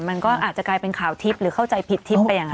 มันก็อาจจะกลายเป็นข่าวทิพย์หรือเข้าใจผิดทิพย์ไปอย่างนั้น